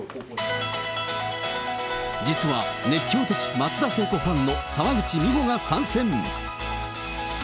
実は熱狂的松田聖子ファンの澤口実歩が参戦。